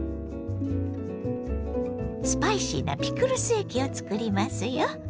スパイシーなピクルス液をつくりますよ。